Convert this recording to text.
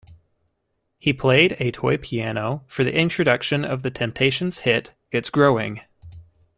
He played a toy piano for the introduction of the Temptations' hit, "It's Growing".